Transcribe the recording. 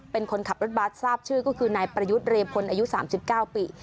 เป็นคนขับรถบัสทราบชื่อก็คือนายประยุทธ์เรพลอายุ๓๙ปี